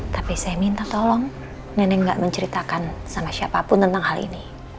tapi saya minta tolong nenek gak menceritakan sama siapapun tentang hal ini